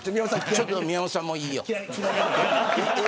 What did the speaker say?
ちょっと宮本さん、もういいよ。